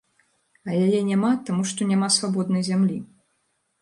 А яе няма, таму што няма свабоднай зямлі.